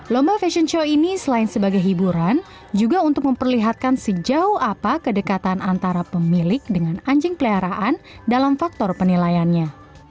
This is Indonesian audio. lomba fashion show ini selain sebagai hiburan juga untuk memperlihatkan sejauh apa kedekatan antara pemilik dengan anjing peliharaan dalam faktor penilaiannya